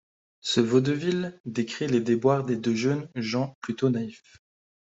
Ce vaudeville décrit les déboires des deux jeunes gens plutôt naïfs.